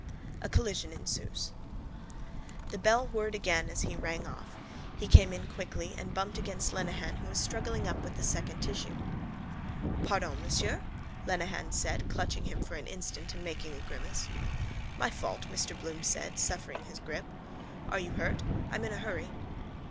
A COLLISION ENSUES The bell whirred again as he rang off. He came in quickly and bumped against Lenehan who was struggling up with the second tissue. —Pardon, monsieur, Lenehan said, clutching him for an instant and making a grimace. —My fault, Mr Bloom said, suffering his grip. Are you hurt? I'm in a hurry.